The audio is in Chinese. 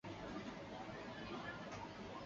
而泰郡王弘春一支则住在西直门内扒儿胡同。